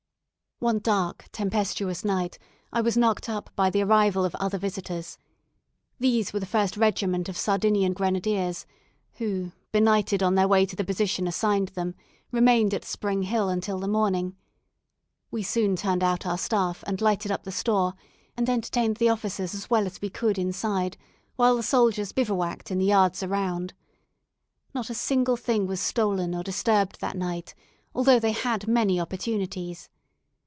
One dark, tempestuous night, I was knocked up by the arrival of other visitors. These were the first regiment of Sardinian Grenadiers, who, benighted on their way to the position assigned them, remained at Spring Hill until the morning. We soon turned out our staff, and lighted up the store, and entertained the officers as well as we could inside, while the soldiers bivouacked in the yards around. Not a single thing was stolen or disturbed that night, although they had many opportunities.